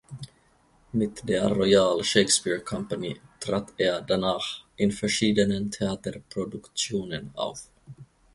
Mit der Royal Shakespeare Company trat er danach in verschiedenen Theaterproduktionen auf.